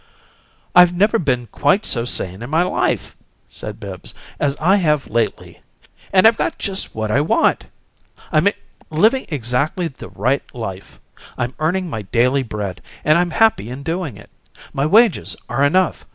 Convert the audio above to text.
"I've never been quite so sane in my life," said Bibbs, "as I have lately. And I've got just what I want. I'm living exactly the right life. I'm earning my daily bread, and I'm happy in doing it. My wages are enough.